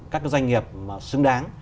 các doanh nghiệp mà xứng đáng